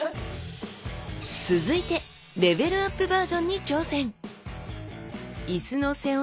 続いてレベルアップバージョンに挑戦！